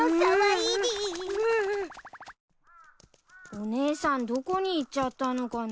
おねえさんどこに行っちゃったのかなぁ。